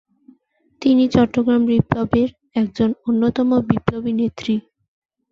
তিনি চট্টগ্রাম বিপ্লবের একজন অন্যতম বিপ্লবী নেত্রী।